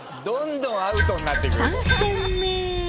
どんどんアウトになっていく。